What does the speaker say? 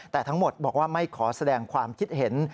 แต่ทั้งหมดบอกว่าไม่ขอแสดงความคิดเห็น